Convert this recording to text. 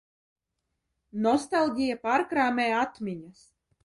Nostalģija pārkrāmē atmiņas.